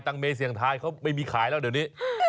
เมเสี่ยงทายเขาไม่มีขายแล้วเดี๋ยวนี้